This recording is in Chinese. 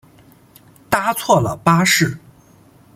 搭错了巴士